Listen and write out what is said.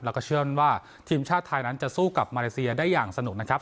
แล้วก็เชื่อมั่นว่าทีมชาติไทยนั้นจะสู้กับมาเลเซียได้อย่างสนุกนะครับ